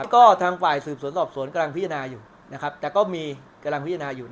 ก็ทางฝ่ายสืบสวนทรอบสวนต้องพิจารณามันน่ะอยู่